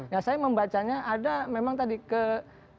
ya saya membacanya ada memang tadi ke